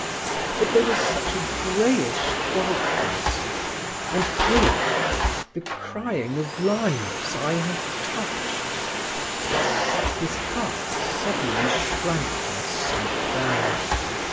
But there was such a greyish darkness, and through it—the crying of lives I have touched…." His heart suddenly shrank and sank down.